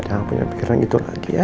ada yang punya pikiran gitu lagi ya